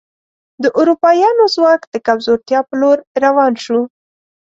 د اروپایانو ځواک د کمزورتیا په لور روان شو.